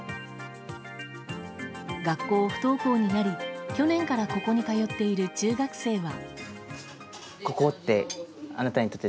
学校を不登校になり、去年からここに通っている中学生は。